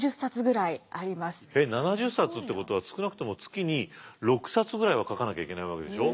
７０冊ってことは少なくとも月に６冊ぐらいは書かなきゃいけないわけでしょ？